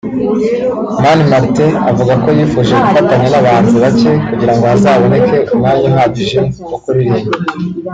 Mani Martin avuga ko yifuje gufatanya n’abahanzi bake kugirango hazaboneke umwanya uhagije wo kuririmba